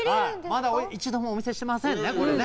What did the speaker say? まだ俺一度もお見せしてませんねこれね。